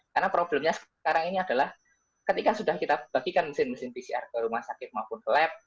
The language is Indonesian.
karena problemnya sekarang ini adalah ketika sudah kita bagikan mesin mesin pcr ke rumah sakit maupun ke lab